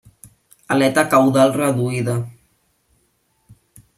Aleta caudal reduïda.